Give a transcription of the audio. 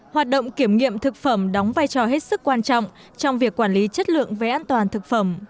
hoạt động kiểm nghiệm thực phẩm đóng vai trò hết sức quan trọng trong việc quản lý chất lượng về an toàn thực phẩm